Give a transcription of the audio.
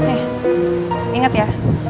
eh inget ya